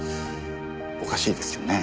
おかしいですよね？